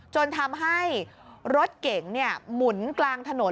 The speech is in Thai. จนทำให้รถเก๋งหมุนกลางถนน